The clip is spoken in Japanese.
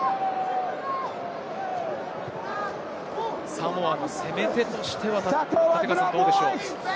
サモアも攻め手としては、どうでしょうか。